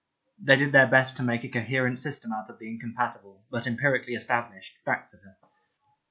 They did their best to make a coherent system out of the incompatible, but empirically established, facts of her.